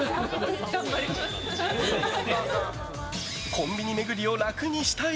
コンビニ巡りを楽にしたい！